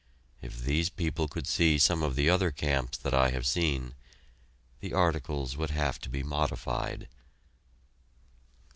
If these people could see some of the other camps that I have seen, the articles would have to be modified.